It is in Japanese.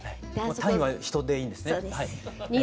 単位は「人」でいいんですね？